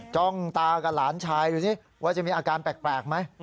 จ้องตากับหลานชายดูสิว่าจะมีอาการแปลกไหม